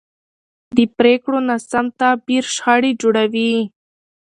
د پرېکړو ناسم تعبیر شخړې جوړوي